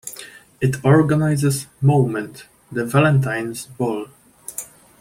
It organises Moment, the Valentine's Ball.